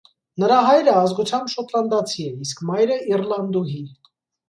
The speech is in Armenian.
Նրա հայրը ազգությամբ շոտլանդացի է, իսկ մայրը՝ իռլանդուհի։